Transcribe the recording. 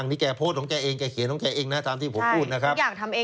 นี่แกโพสต์ของแกเองแกเขียนของแกเองนะตามที่ผมพูดนะครับ